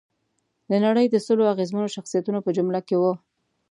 د نړۍ د سلو اغېزمنو شخصیتونو په جمله کې وه.